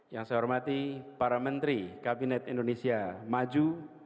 yang saya hormati para menteri kabinet indonesia maju